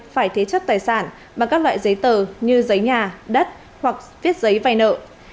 phải thế chất tài sản bằng các loại giấy tờ như giấy nhà đất hoặc viết giấy vay nợ